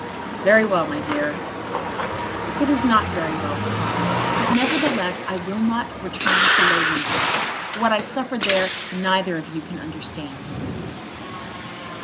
"Very well, my dear." "It is not very well, Papa; but, nevertheless, I will not return to Loughlinter. What I suffered there neither of you can understand."